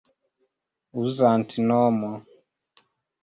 uzantnomo